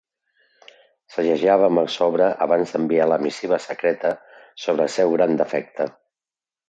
Segellàvem el sobre abans d'enviar la missiva secreta sobre el seu gran defecte.